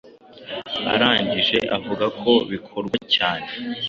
Arangije avuga ko bikorwa cyane